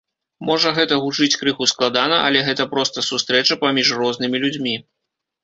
Можа гэта гучыць крыху складана, але гэта проста сустрэча паміж рознымі людзьмі.